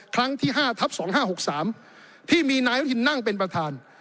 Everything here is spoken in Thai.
ครั้งที่๕ทับ๒๕๖๓ที่มีนายอนุทินนั่งเป็นประธาน